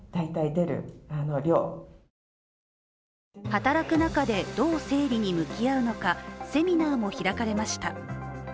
働く中でどう生理に向き合うのかセミナーも開かれました。